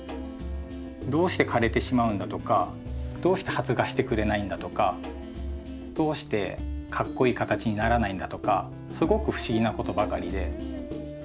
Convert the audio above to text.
どうして枯れてしまうんだとかどうして発芽してくれないんだとかどうしてかっこイイ形にならないんだとかすごく不思議なことばかりで。